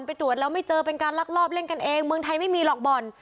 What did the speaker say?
ไปตรวจแล้วไม่เจอเป็นการลักลอบเล่นกันเองเมืองไทยไม่มีหรอกบ่อน